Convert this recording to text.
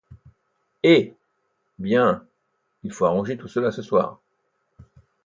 Hé! bien, il faut arranger tout cela ce soir.